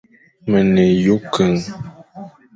Me ne yʼôkeñ,